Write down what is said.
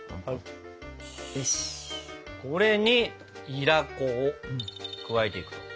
これにいら粉を加えていく。